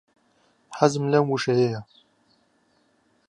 حەزم لەم وشەیەیە.